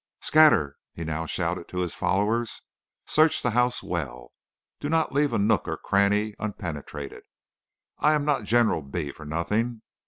"'Scatter!' he now shouted to his followers. 'Search the house well. Do not leave a nook or cranny unpenetrated. I am not General B for nothing.'